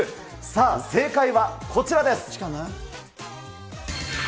さあ、正解はこちらです。